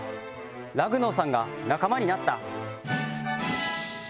ラグノオさんが仲間になった。